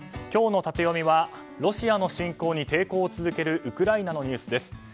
今日のタテヨミはロシアの侵攻に抵抗を続けるウクライナのニュースです。